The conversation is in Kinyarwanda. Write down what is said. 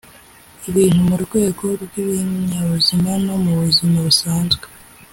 ibintu mu rwego rw ibinyabuzima no mu buzima busanzwe